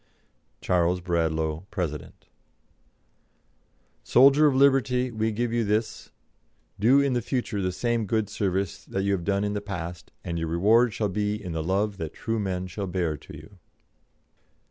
"'Charles Bradlaugh, President.' "Soldier of liberty, we give you this. Do in the future the same good service that you have done in the past, and your reward shall be in the love that true men shall bear to you."